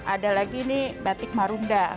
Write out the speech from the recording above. ada lagi ini batik marunda